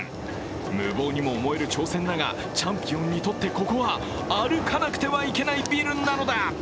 無謀にも思える挑戦だがチャンピオンにとってここは歩かなくてはいけないビルなのだ。